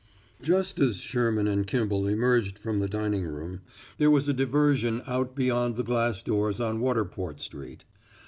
Just as Sherman and Kimball emerged from the dining room, there was a diversion out beyond the glass doors on Waterport Street.